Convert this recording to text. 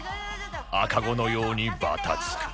赤子のようにばたつく